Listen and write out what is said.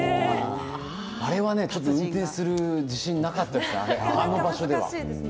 あれはね、運転する自信がなかったです、あんな場所では。